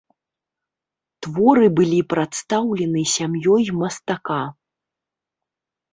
Творы былі прадастаўлены сям'ёй мастака.